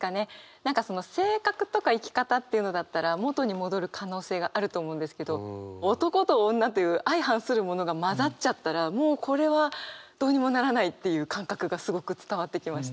何か性格とか生き方っていうのだったら元に戻る可能性があると思うんですけど男と女という相反するものが交ざっちゃったらもうこれはどうにもならないっていう感覚がすごく伝わってきました。